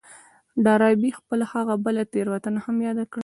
ډاربي خپله هغه بله تېروتنه هم ياده کړه.